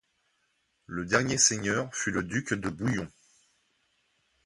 Le dernier seigneur fut le duc de Bouillon.